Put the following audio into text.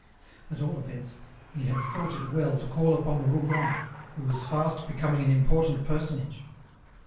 At all events, he had thought it well to call upon Rougon, who was fast becoming an important personage.